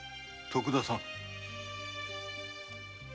徳田さん。